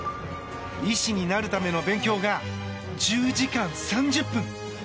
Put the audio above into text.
医師になるための勉強が１０時間３０分。